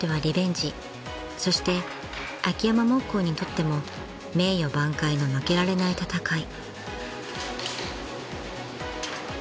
［そして秋山木工にとっても名誉挽回の負けられない戦い］